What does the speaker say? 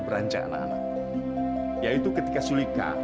benar kamu pergi saja sulika